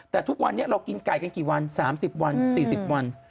แต่ทุกวันนี้เรากินไก่กันกี่วัน๓๐วัน๔๐วัน